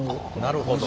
なるほど。